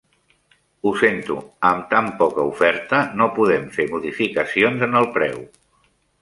Ho sento, amb tan poca oferta no podem fer modificacions en el preu.